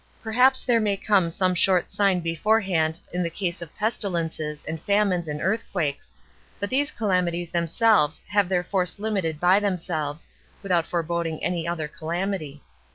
Perhaps there may come some short sign beforehand in the case of pestilences, and famines, and earthquakes; but these calamities themselves have their force limited by themselves [without foreboding any other calamity].